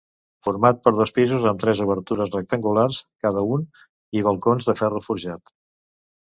Format per dos pisos amb tres obertures rectangulars cada un i balcons de ferro forjat.